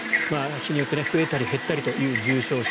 日によって増えたり減ったりという重症者。